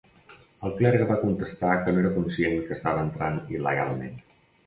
El clergue va contestar que no era conscient que estava entrant il·legalment.